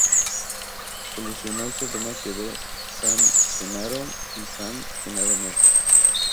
Solucionado el problema quedó San Genaro y San Jenaro Norte.